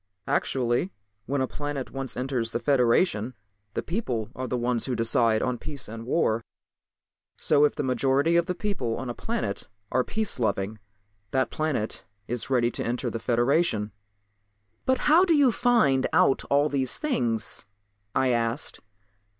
"Actually, when a planet once enters the Federation the people are the ones to decide on peace and war. So if the majority of the people on a planet are peace loving that planet is ready to enter the Federation." "But how do you find out all these things?" I asked.